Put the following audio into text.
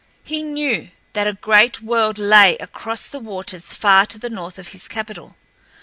He knew that a great world lay across the waters far to the north of his capital.